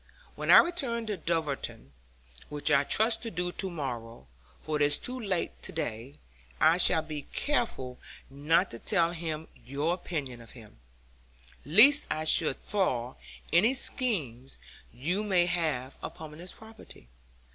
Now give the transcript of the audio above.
When I return to Dulverton, which I trust to do to morrow (for it is too late to day), I shall be careful not to tell him your opinion of him, lest I should thwart any schemes you may have upon his property.